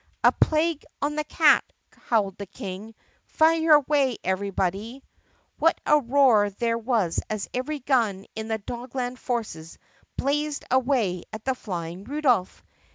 "A plague on the cat!" howled the King. "Fire away, everybody!" What a roar there was as every gun in the Dogland forces blazed away at the flying Rudolph!